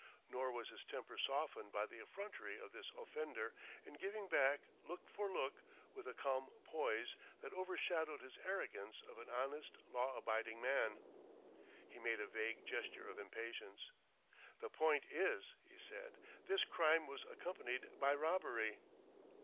Nor was his temper softened by the effrontery of this offender in giving back look for look with a calm poise that overshadowed his arrogance of an honest, law abiding man. He made a vague gesture of impatience. "The point is," he said, "this crime was accompanied by robbery."